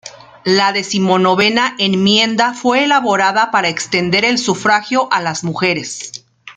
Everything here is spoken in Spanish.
La Decimonovena Enmienda fue elaborada para extender el sufragio a las mujeres.